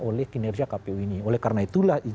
oleh kinerja kpu ini oleh karena itulah